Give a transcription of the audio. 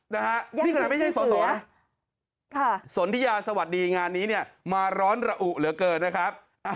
นี่ขนาดไม่ใช่สอสอนสนทิยาสวัสดีงานนี้เนี่ยมาร้อนระอุเหลือเกินนะครับ